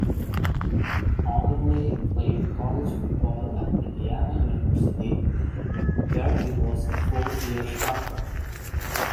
Ogunleye played college football at Indiana University, where he was a four-year starter.